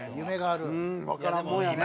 わからんもんやね。